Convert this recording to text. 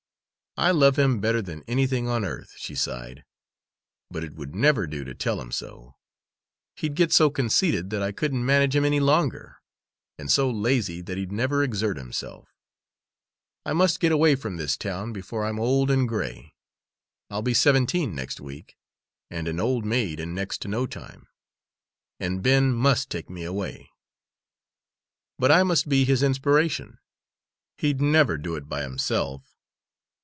"I love him better than anything on earth," she sighed, "but it would never do to tell him so. He'd get so conceited that I couldn't manage him any longer, and so lazy that he'd never exert himself. I must get away from this town before I'm old and gray I'll be seventeen next week, and an old maid in next to no time and Ben must take me away. But I must be his inspiration; he'd never do it by himself.